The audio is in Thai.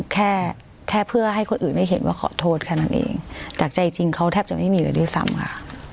แค่แค่เพื่อให้คนอื่นได้เห็นว่าขอโทษแค่นั้นเองจากใจจริงเขาแทบจะไม่มีเลยด้วยซ้ำค่ะ